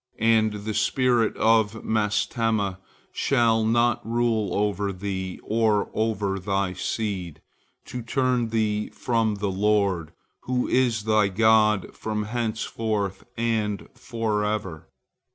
And the spirit of Mastema shall not rule over thee or over thy seed, to turn thee from the Lord, who is thy God from henceforth and forever.